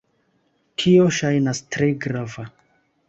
Tio ŝajnas tre grava